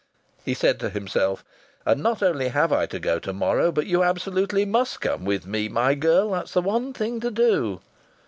(He said to himself, "And not only have I to go to morrow, but you absolutely must come with me, my girl. That's the one thing to do.")